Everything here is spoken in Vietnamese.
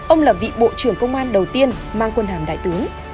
ông là vị bộ trưởng công an đầu tiên mang quân hàm đại tướng